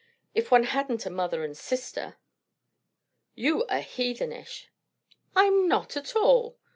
"If one hadn't a mother and sister." "You are heathenish!" "I'm not, at all!"